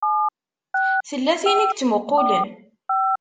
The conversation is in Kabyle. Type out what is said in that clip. Tella tin i yettmuqqulen.